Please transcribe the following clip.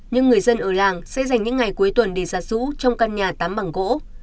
nhưng người dân ở làng sẽ dành những ngày cuối tuần để giặt sũ trong căn nhà tám bằng gỗ